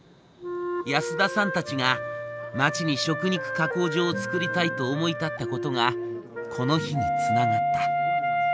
安田さんたちが町に食肉加工場を作りたいと思い立ったことがこの日につながった。